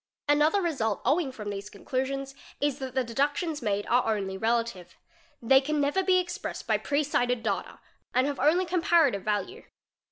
a Another result flowing from these conclusions is that the deduction made are only relative ; they can never be expressed by pre cited data ar have only comparative value.